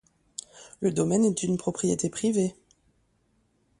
Le domaine est une propriété privée.